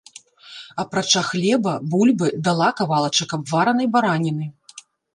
Апрача хлеба, бульбы, дала кавалачак абваранай бараніны.